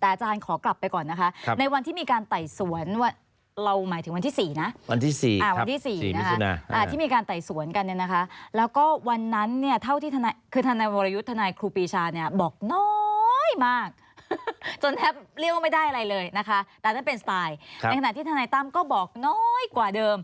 แต่ว่าที่ดูแล้วมันจะมีน้ำหนักแล้วเขาถามเพิ่ม